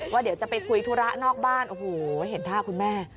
เดี๋ยวจะไปคุยธุระนอกบ้านโอ้โหเห็นท่าคุณแม่